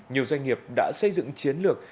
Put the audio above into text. nhiều doanh nghiệp đã xây dựng chiến lược